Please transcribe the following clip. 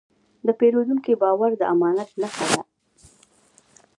د پیرودونکي باور د امانت نښه ده.